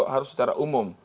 harus secara umum